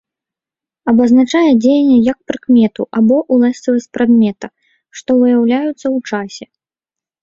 Абазначае дзеянне як прыкмету або ўласцівасць прадмета, што выяўляюцца ў часе.